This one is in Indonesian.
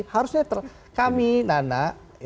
harus netral kami nana